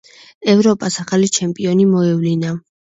ევროპას ახალი ჩემპიონი მოევლინა.